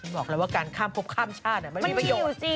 บอกแล้วว่าการพบข้ามชาติมันไม่มีประโยชน์